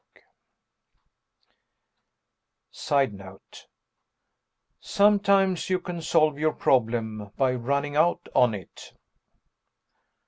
] [Sidenote: _Sometimes you can solve your problem by running out on it!